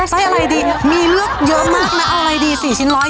อ่ะใส่อะไรดีมีเลือกเยอะมากนะอะไรดี๔ชิ้นร้อย